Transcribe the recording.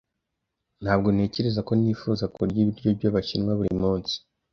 Ntabwo ntekereza ko nifuza kurya ibiryo byabashinwa buri munsi.